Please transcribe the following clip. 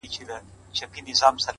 دا اوبه اورونو کي راونغاړه”